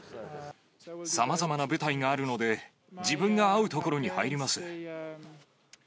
さまざまな部隊があるので、自分が合うところに入ります。